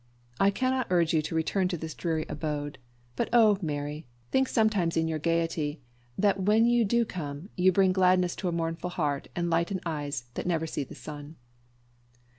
I cannot urge you to return to this dreary abode. But oh, Mary! Think sometimes in your gaiety, that when you do come, you bring gladness to a mournful heart, and lighten eyes that never see the sun!"